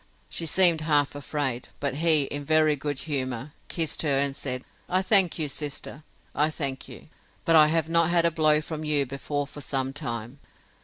She seemed half afraid: but he, in very good humour, kissed her, and said, I thank you, sister, I thank you. But I have not had a blow from you before for some time!